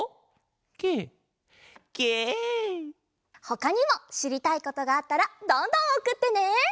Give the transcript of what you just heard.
ほかにもしりたいことがあったらどんどんおくってね！